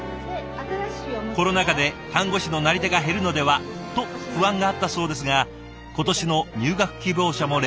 コロナ禍で看護師のなり手が減るのではと不安があったそうですが今年の入学希望者も例年どおり。